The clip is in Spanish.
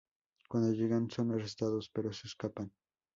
Cuando llegan, son arrestados, pero se escapan.